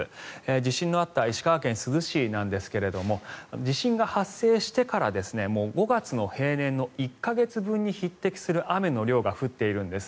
地震のあった石川県珠洲市ですけど地震が発生してから５月の平年の１か月分に匹敵する雨の量が降っているんです。